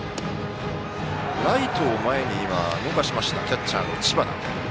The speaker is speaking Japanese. ライトを前に動かしましたキャッチャーの知花。